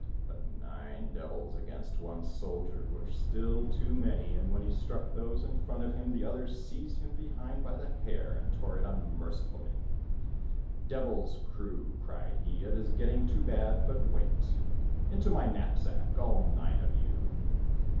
But nine devils against one soldier were still too many, and when he struck those in front of him, the others seized him behind by the hair, and tore it unmercifully. "Devils' crew," cried he, "it is getting too bad, but wait. Into my knapsack, all nine of you!"